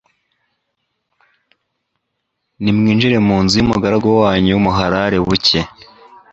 nimwinjire mu nzu y'umugaragu wanyu, muharare bucye.'>>